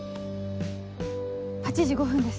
８時５分です。